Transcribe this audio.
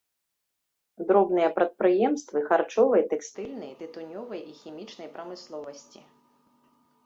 Дробныя прадпрыемствы харчовай, тэкстыльнай, тытунёвай і хімічнай прамысловасці.